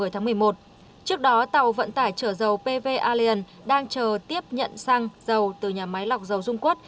trước đó tàu vận tải chở dầu pv allian đang chờ tiếp nhận xăng dầu từ nhà máy lọc dầu dung quất